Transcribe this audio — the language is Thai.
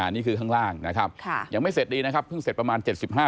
นี่คือข้างล่างยังไม่เสร็จดีเพิ่งเสร็จประมาณ๗๕